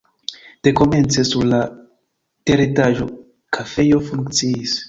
Dekomence sur la teretaĝo kafejo funkciis.